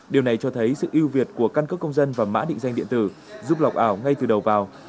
điều này cho thấy sự yêu việt của căn cước công dân và mã định danh điện tử giúp lọc ảo ngay từ đầu vào